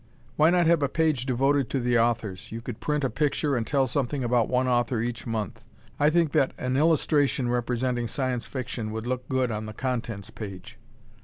Why not have a page devoted to the authors? You could print a picture and tell something about one author each month. I think that an illustration representing Science Fiction would look good on the contents page.